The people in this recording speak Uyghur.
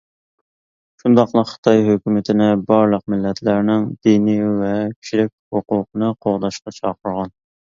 شۇنداقلا خىتاي ھۆكۈمىتىنى بارلىق مىللەتلەرنىڭ دىنىي ۋە كىشىلىك ھوقۇقىنى قوغداشقا چاقىرغان.